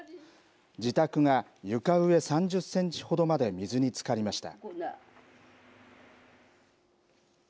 自宅が床上３０センチほどまで水につかりました。